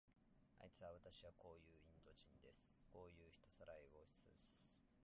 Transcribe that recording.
あいつは、わたしはこういうインド人です。こういう人さらいをしますといって、自分を広告していたようなものですね。